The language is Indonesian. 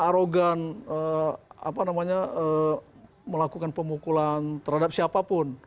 arogan apa namanya melakukan pemukulan terhadap siapapun